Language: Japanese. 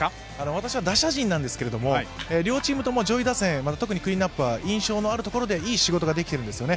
私は打者陣なんですけれども、両チームとも上位打線、特にクリーンナップは印象のあるところでいい仕事ができているんですよね。